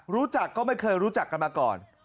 รู้จักก็ไม่เคยรู้จักกันมาก่อน